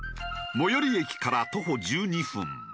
最寄り駅から徒歩１２分。